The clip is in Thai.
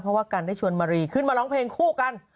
เพราะว่ากันได้ชวนมารีขึ้นมาร้องเพลงคู่กัน